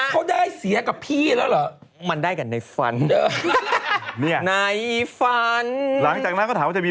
เขาได้เสียกับพี่แล้วเหรอมันได้กันในฝันหลังจากนั้นก็ถามว่าจะมี